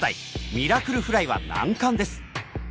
「ミラクル☆フライ」は難関です。